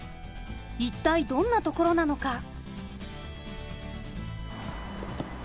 一体どんなところなのか。